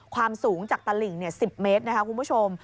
ความสูงจากตลิ่ง๑๐เมตรนะคะคุณผู้ชม